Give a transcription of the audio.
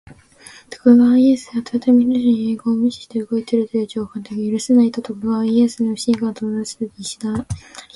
徳川家康が豊臣秀吉の遺言を無視して動いているという情報が届き、「許せない！」と徳川家康への不信感を募らせる石田三成。